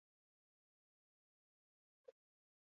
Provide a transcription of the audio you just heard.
Noiz erosi ahal izango dut arropa denda txiki batean?